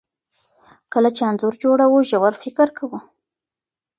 کله چې انځور جوړوو ژور فکر کوو.